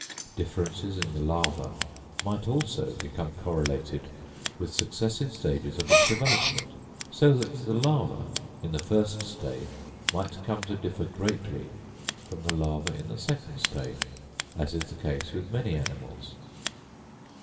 Differences in the larva might, also, become correlated with successive stages of its development; so that the larva, in the first stage, might come to differ greatly from the larva in the second stage, as is the case with many animals.